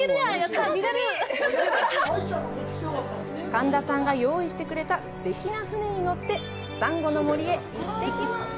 神田さんが用意してくれたすてきな船に乗って珊瑚の森へ行ってきます